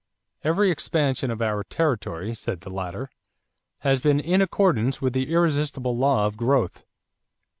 "Every expansion of our territory," said the latter, "has been in accordance with the irresistible law of growth.